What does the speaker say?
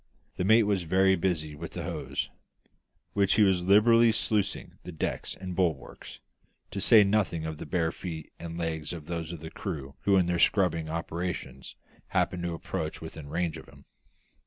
The mate was very busy with the hose, with which he was liberally sluicing the decks and bulwarks, to say nothing of the bare feet and legs of those of the crew who in their scrubbing operations happened to approach within range of him.